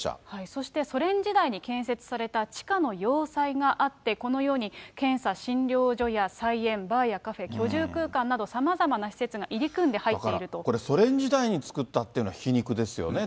そしてソ連時代に建設された地下の要塞があって、このように検査・診療所や菜園、バーやカフェ、居住空間など、これ、ソ連時代に作ったっていうのは皮肉ですよね。